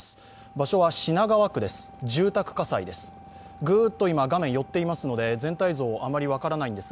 場所は品川区です、住宅火災です。